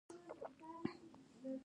د پیرودونکي باور د انسان ارزښت ښيي.